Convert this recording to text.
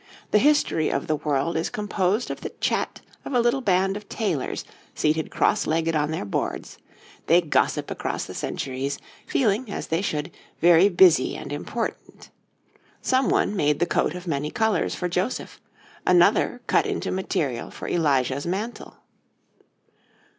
The history of the world is composed of the chat of a little band of tailors seated cross legged on their boards; they gossip across the centuries, feeling, as they should, very busy and important. Someone made the coat of many colours for Joseph, another cut into material for Elijah's mantle.